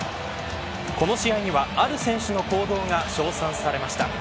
この試合にはある選手の行動が称賛されました。